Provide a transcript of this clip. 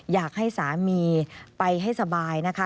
อยากให้สามีไปให้สบายนะคะ